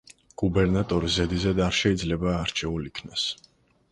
გუბერნატორი ზედიზედ არ შეიძლება არჩეულ იქნას.